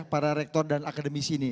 para rektor dan akademisi ini